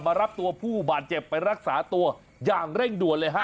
รับตัวผู้บาดเจ็บไปรักษาตัวอย่างเร่งด่วนเลยฮะ